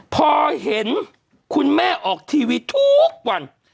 พอเห็นคุณแม่ออกทีวีทุกวัน